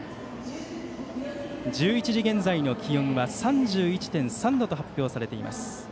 １１時現在の気温は３１．３度と発表されています。